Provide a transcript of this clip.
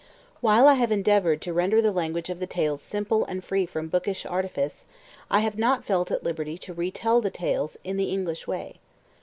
While I have endeavoured to render the language of the tales simple and free from bookish artifice, I have not felt at liberty to retell the tales in the English way.